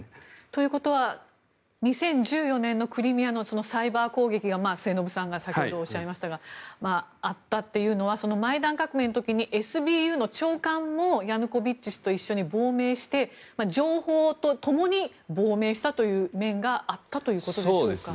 ということは２０１４年のクリミアのサイバー攻撃が末延さんが先ほどおっしゃいましたがあったというのはマイダン革命の時にＳＢＵの長官もヤヌコビッチ氏と一緒に亡命して情報とともに亡命したという面があったということでしょうか。